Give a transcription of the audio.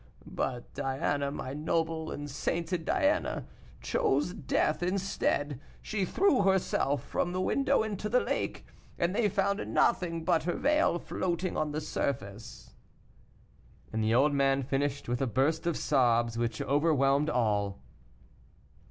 But Diana, my noble and sainted Diana, chose death instead. She threw herself from the window into the lake, and they found nothing but her veil floating on the surface." And the old man finished with a burst of sobs which overwhelmed them all.